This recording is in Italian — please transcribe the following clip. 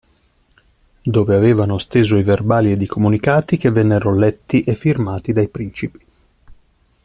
Dove avevano steso i verbali ed i comunicati, che vennero letti e firmati dai principi.